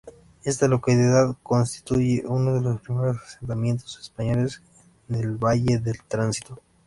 Esta localidad constituye uno de los primeros asentamientos españoles en el Valle del Tránsito.